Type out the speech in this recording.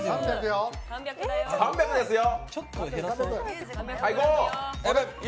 ３００ですよ！